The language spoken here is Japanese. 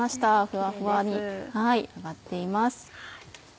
ふわふわに揚がっています。